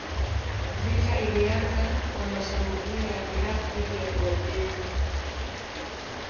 Vita ilianza kwa mashambulio ya Irak dhidi ya Uajemi.